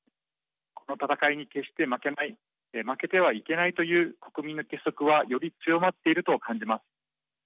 この戦いに決して負けない負けてはいけないという国民の結束はより強まっていると感じます。